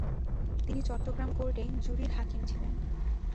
তিনি চট্টগ্রাম কোর্টে জুরির হাকিম ছিলেন।